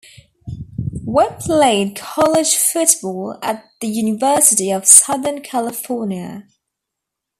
Webb played college football at the University of Southern California.